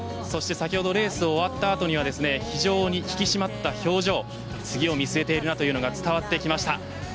先ほどレースが終わった後には非常に引き締まった表情次を見据えているなというのが伝わってきました。